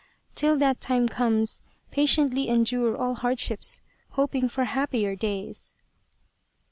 Till that time comes patiently endure all hardships, hoping for happier days."